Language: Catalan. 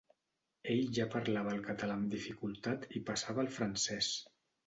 Ell ja parlava el català amb dificultat i passava al francès.